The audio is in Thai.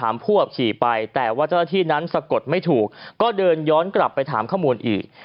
รัฐะค่อนข้างสูง